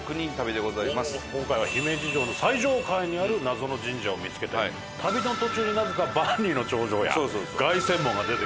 今回は姫路城の最上階にある謎の神社を見つけて旅の途中になぜか万里の長城や凱旋門が出て。